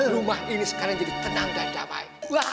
rumah ini sekarang jadi tenang dan damai